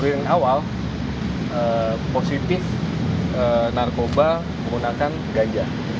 kita menemukan narkotika positif narkoba menggunakan ganja